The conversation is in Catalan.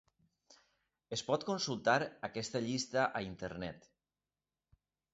Es pot consultar aquesta llista a internet.